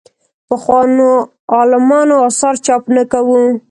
پخوانو عالمانو اثارو چاپ نه کوو.